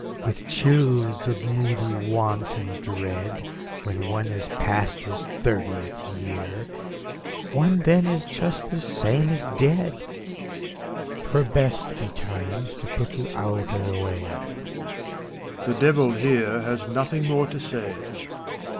With chills of moody want and dread; When one has passed his thirtieth year, One then is just the same as dead. 'T were best, betimes, to put you out o' the way. 74 FAUST, MEPHISTOPHELES. The Devil, here, has nothing more to say.